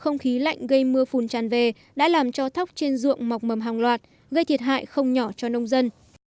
không khí lạnh gây mưa phùn tràn về đã làm cho thóc trên ruộng mọc mầm hàng loạt gây thiệt hại không nhỏ cho nông dân